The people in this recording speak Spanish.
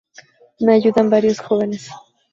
Me ayudan varios jóvenes.